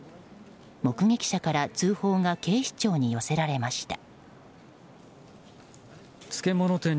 目撃者から通報が警視庁に寄せられました。